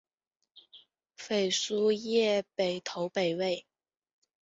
裴叔业北投北魏。